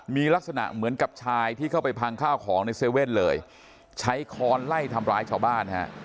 มีลักษณะเหมือนกับชายที่เข้าไปพังข้าวของใน๗๑๑เลยใช้ค้อนไล่ทำร้ายชาวบ้านฮะ